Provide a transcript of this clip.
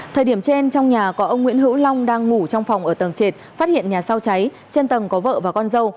thời điểm trên trong nhà có ông nguyễn hữu long đang ngủ trong phòng ở tầng trệt phát hiện nhà sau cháy trên tầng có vợ và con dâu